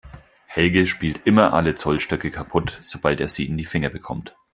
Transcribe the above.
Helge spielt immer alle Zollstöcke kaputt, sobald er sie in die Finger bekommt.